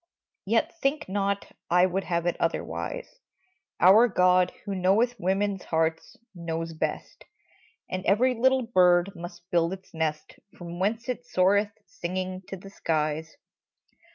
Yet think not I would have it otherwise ! Our God, who knoweth women's hearts, knows best And every little bird must build its nest From whence it soareth, singing, to the skies.